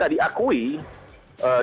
dan memasukkan derap lgbt